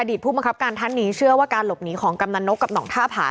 ผู้บังคับการท่านนี้เชื่อว่าการหลบหนีของกำนันนกกับหนองท่าผา